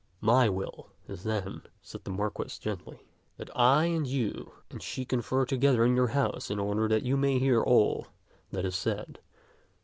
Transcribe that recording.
My will is, then," said the Marquis gently, " that I and you and she confer together in your house in order that you may hear all that is said.